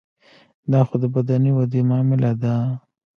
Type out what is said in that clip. دا خو د بدني ودې معامله ده.